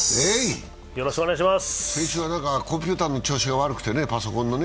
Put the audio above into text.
先週はコンピュータの調子が悪くてね、パソコンがね。